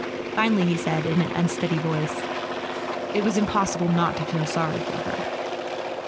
Finally he said, in an unsteady voice: "It was impossible not to feel sorry for her."